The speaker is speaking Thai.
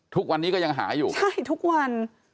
ทุกวันนี้ก็ยังหาอยู่ใช่ทุกวัน